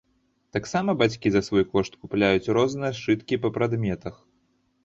Таксама бацькі за свой кошт купляюць розныя сшыткі па прадметах.